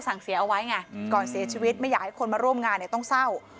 เสียเอาไว้ไงก่อนเสียชีวิตไม่อยากให้คนมาร่วมงานเนี่ยต้องเศร้า